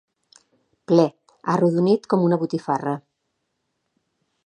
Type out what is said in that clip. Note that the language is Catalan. Ple, arrodonit com una botifarra.